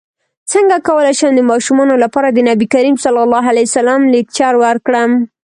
څنګه کولی شم د ماشومانو لپاره د نبي کریم ص لیکچر ورکړم